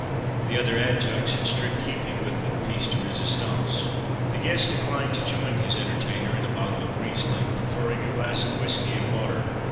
The other adjuncts in strict keeping with the pièce de résistance. The guest declined to join his entertainer in a bottle of Reisling, preferring a glass of whisky and water.